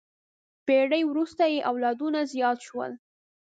پېړۍ وروسته یې اولادونه زیات شول.